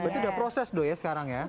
berarti udah proses doh ya sekarang ya